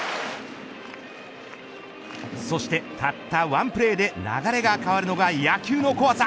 そして、たった１プレーで流れが変わるのが野球の怖さ。